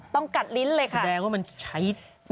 กัดลิ้นเลยค่ะแสดงว่ามันใช้